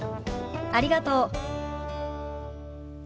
ありがとう。